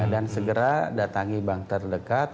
dan segera datangi bank terdekat